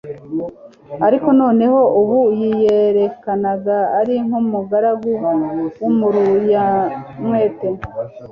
ariko noneho ubu yiyerekanaga ari nk'umugaragu w'umuruyamwete,